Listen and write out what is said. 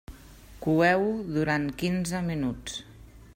Coeu-ho durant quinze minuts.